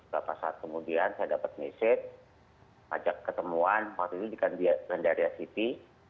lepas saat kemudian saya dapet mesej ajak ketemuan waktu itu di gandaria city